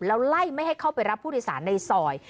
แล้วไล่ไม่ให้เข้าไปรับผู้โดยสารในซอย